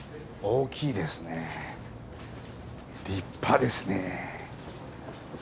大きいですね立派ですね。